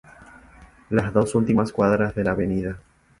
Las dos últimas cuadras de la Av.